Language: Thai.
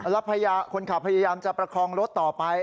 แล้วคนขับพยายามจะประคองรถต่อไป